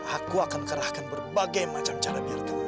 aku akan kerahkan berbagai macam cara biar kamu menang